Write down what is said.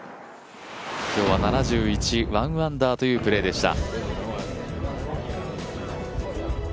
今日は７１１アンダーというプレーでした。